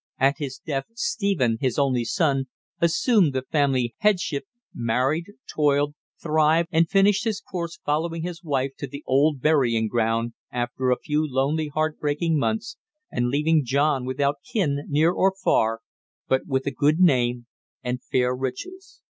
At his death Stephen, his only son, assumed the family headship, married, toiled, thrived and finished his course following his wife to the old burying ground after a few lonely heart breaking months, and leaving John without kin, near or far, but with a good name and fair riches.